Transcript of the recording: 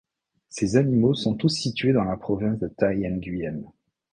Ces animaux sont tous situés dans la province de Thái Nguyên.